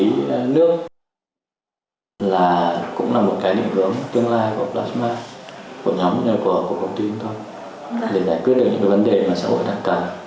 để giải quyết được những cái vấn đề mà xã hội đang cần